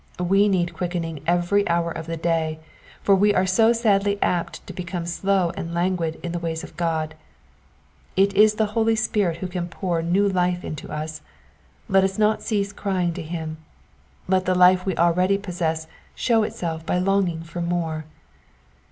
We need quickening every hour of the day, for we are so sadly apt to become slow and languid in the ways of Ck)d. It is the Holy Spirit who can pour new life into us ; let us not cease crying to him. Let the life we already possess show itself by longing for more.